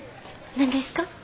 何ですか？